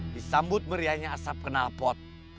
disambut meriahnya asap kenal pot